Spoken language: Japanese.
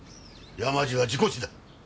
山路は事故死だ。